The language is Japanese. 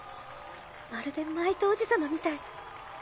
まるでマイトおじ様みたい